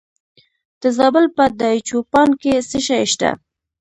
د زابل په دایچوپان کې څه شی شته؟